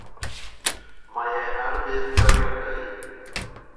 Mae e ar fudd-daliadau.